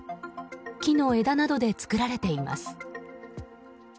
木の枝などで作られています。